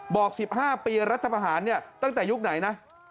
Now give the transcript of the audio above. บอก๑๕ปีรัฐพาหารตั้งแต่ยุคไหนนะ